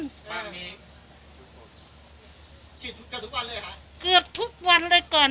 ใช่ให้เกิดทุกวันเลยคุณ